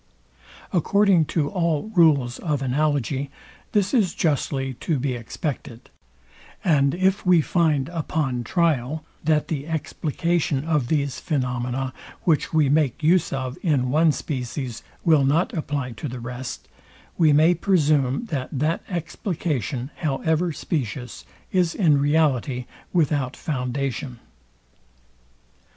According to all rules of analogy, this is justly to be expected; and if we find upon trial, that the explication of these phaenomena, which we make use of in one species, will not apply to the rest, we may presume that that explication, however specious, is in reality without foundation.